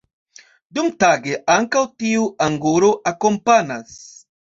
Dumtage, ankaŭ tiu angoro akompanas.